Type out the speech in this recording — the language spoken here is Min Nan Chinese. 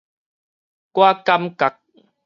我感覺